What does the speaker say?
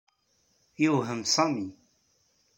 Yewhem Sami.